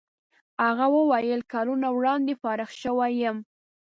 هغه وویل کلونه وړاندې فارغ شوی یم.